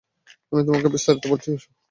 আমি তোমাকে বিস্তারিত বলছি, আসো।